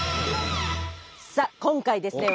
さあ今回ですね